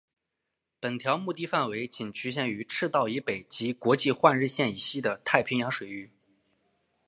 本条目的范围仅局限于赤道以北及国际换日线以西的太平洋水域。